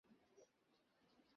Operation সফল হয়েছে।